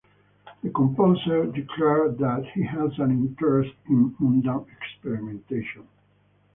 The composer declared that he has an interest in mundane experimentation.